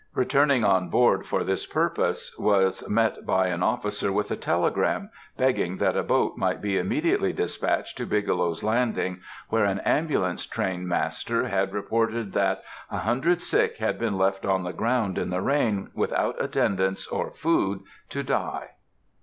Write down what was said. Returning on board for this purpose, was met by an officer with a telegram, begging that a boat might be immediately despatched to Bigelow's Landing, where an ambulance train master had reported that "a hundred sick had been left on the ground in the rain, without attendance or food, to die."